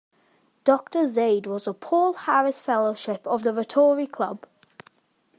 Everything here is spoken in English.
Doctor Zaide was a Paul Harris Fellowship of the Rotary Club.